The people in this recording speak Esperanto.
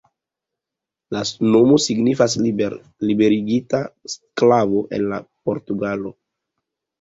La nomo signifas "liberigita sklavo" en la portugala.